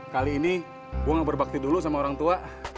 kali ini gue gak berbakti dulu sama orang tua